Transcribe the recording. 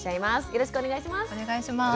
よろしくお願いします。